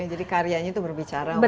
jadi karyanya itu berbicara